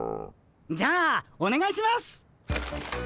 じゃあおねがいしますっ！